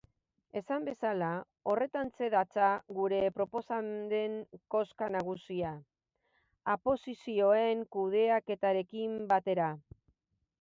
Esan bezala, horretantxe datza gure prosaren koska nagusia, aposizioen kudeaketarekin batera.